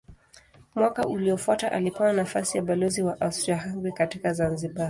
Mwaka uliofuata alipewa nafasi ya balozi wa Austria-Hungaria katika Zanzibar.